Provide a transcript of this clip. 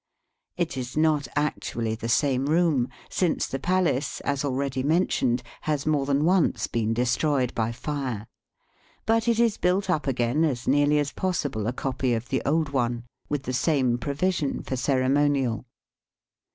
It is not actually the same room, since the palace, as already men tioned, has more than once been destroyed by fire. But it is built up again as nearly as possible a copy of the old one, with the same provision for ceremonial.